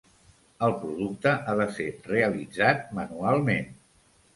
El producte ha de ser realitzat manualment.